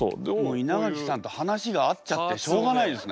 稲垣さんと話が合っちゃってしょうがないですね。